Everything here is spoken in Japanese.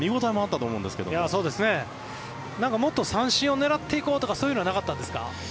もっと三振を狙っていこうとかそういうのはなかったんですか？